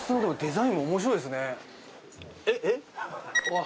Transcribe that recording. えっ？